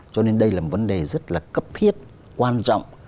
cho nên đây là một vấn đề rất là cấp thiết quan trọng